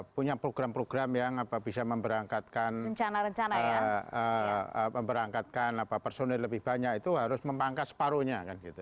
punya program program yang bisa memberangkatkan personil lebih banyak itu harus memangkas separuhnya